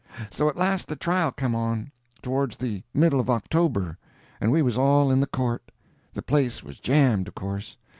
So at last the trial come on, towards the middle of October, and we was all in the court. The place was jammed, of course.